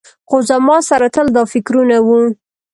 خو زما سره تل دا فکرونه وو.